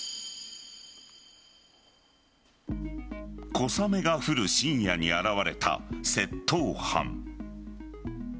小雨が降る深夜に現れた窃盗犯。